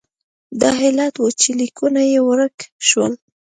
دا علت و چې لیکونه یې ورک شول.